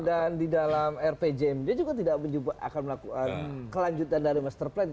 dan di dalam rpjm dia juga tidak akan melakukan kelanjutan dari master plan